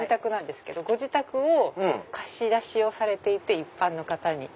ご自宅を貸し出しをされていて一般の方に。